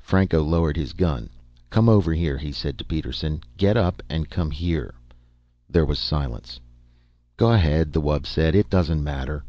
Franco lowered his gun. "Come over here," he said to Peterson. "Get up and come here." There was silence. "Go ahead," the wub said. "It doesn't matter."